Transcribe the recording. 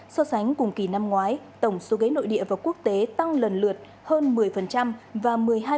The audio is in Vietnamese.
so sánh cùng kỳ năm ngoái tổng số ghế nội địa và quốc tế tăng lần lượt hơn một mươi và một mươi hai